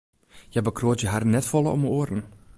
Hja bekroadzje harren net folle om oaren.